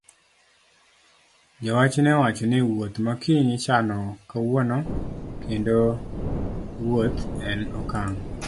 Jowach ne owacho ni wuoth ma kiny ichano kawuono kendo wuoth en okang'